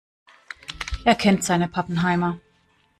Er kennt seine Pappenheimer.